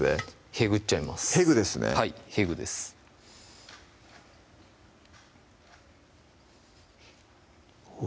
へぐっちゃいますへぐですねはいへぐですうわ